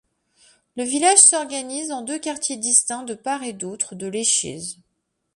Le village s’organise, en deux quartiers distincts de part et d’autre de l’Échez.